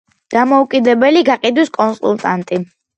დამოუკიდებელი გაყიდვის კონსულტანტი.